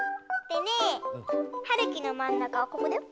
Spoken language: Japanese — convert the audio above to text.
でねはるきのまんなかはここだよ。